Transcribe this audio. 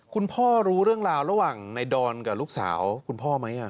คุณพ่อรู้เรื่องราวระหว่างในดอนกับลูกสาวคุณพ่อไหม